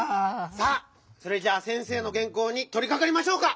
さあそれじゃあ先生のげんこうにとりかかりましょうか！